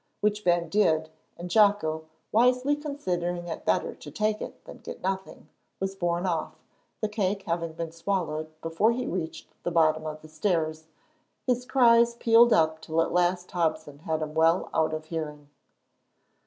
Which Ben did, and Jocko, wisely considering it better to take it than to get nothing, was borne off; the cake having been swallowed before he reached the bottom of the stairs, his cries pealed up till at last Hobson had him well out of hearing.